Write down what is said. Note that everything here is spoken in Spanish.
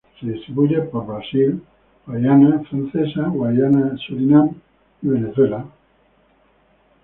Se distribuye por Brasil, Guayana Francesa, Guyana, Surinam y Venezuela.